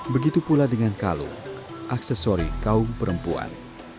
begitu pula dengan kalung aksesori kaum perempuan